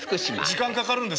時間かかるんですよ。